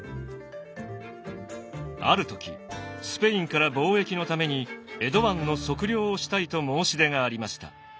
ある時スペインから貿易のために江戸湾の測量をしたいと申し出がありました。